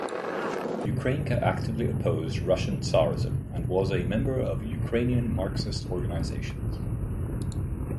Ukrainka actively opposed Russian tsarism and was a member of Ukrainian Marxist organizations.